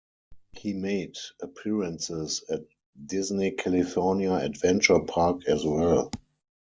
He made appearances at Disney California Adventure Park as well.